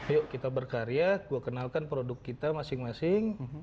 yuk kita berkarya gue kenalkan produk kita masing masing